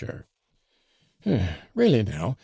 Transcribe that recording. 'Eh! re'lly now!